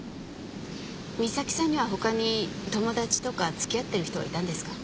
美咲さんには他に友達とかつきあってる人はいたんですか？